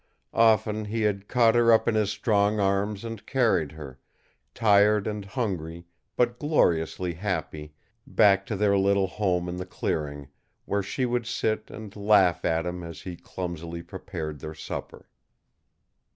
Often he had caught her up in his strong arms and carried her, tired and hungry but gloriously happy, back to their little home in the clearing, where she would sit and laugh at him as he clumsily prepared their supper.